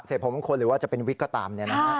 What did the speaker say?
ของมงคลหรือว่าจะเป็นวิกก็ตาม